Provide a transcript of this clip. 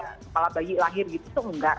kepala bayi lahir itu enggak